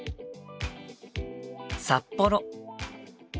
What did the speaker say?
札幌。